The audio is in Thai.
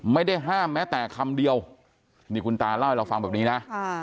ไม่ได้ห้ามแม้แต่คำเดียวนี่คุณตาเล่าให้เราฟังแบบนี้นะ